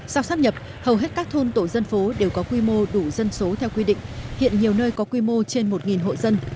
sau sắp nhập hầu hết các thôn tổ dân phố đều có quy mô đủ dân số theo quy định hiện nhiều nơi có quy mô trên một hộ dân